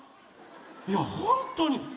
いやほんとに。